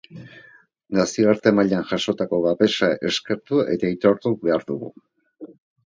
Nazioarte mailan jasotako babesa eskertu eta aitortu behar dugu.